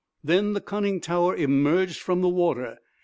Then the conning tower emerged from the water.